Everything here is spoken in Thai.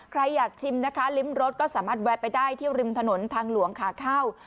ใครอยากชิมนะคะลิ้มรสก็สามารถแวะไปได้ที่ริมถนนทางหลวงขาเข้า